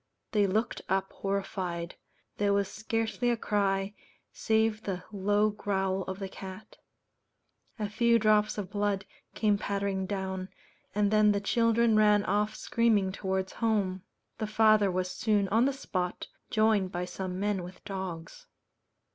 They looked up horrified; there was scarcely a cry, save the low growl of the cat; a few drops of blood came pattering down, and then the children ran off screaming towards home. The father was soon on the spot, joined by some men with dogs.